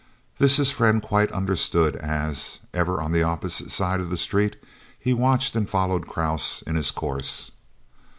This his friend quite understood as, ever on the opposite side of the street, he watched and followed Krause in his course.